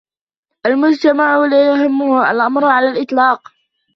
المجتمع لا يهمه الأمر على الإطلاق.